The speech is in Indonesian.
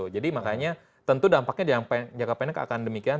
jadi makanya tentu dampaknya dianggap anggap akan demikian